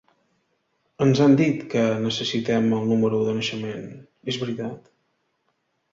Ens han dit que necessitem el número de naixement, és veritat?